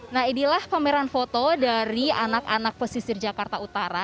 nah inilah pameran foto dari anak anak pesisir jakarta utara